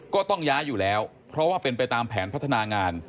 ก็ต้องย้ายอยู่แล้วเพราะว่าเป็นไปตามแผนพัฒนางาน